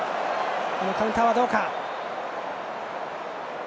このカウンターはどうか。